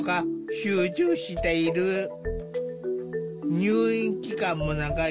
入院期間も長い。